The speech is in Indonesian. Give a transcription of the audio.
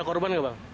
ada korban gak bang